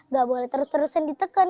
gak boleh terus terusan ditekan